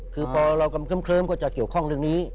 คือพอเรากำเคลิ้มก็จะเกี่ยวข้องเรื่องนี้